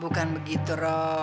bukan begitu roh